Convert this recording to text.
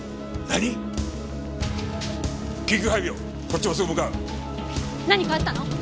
何かあったの？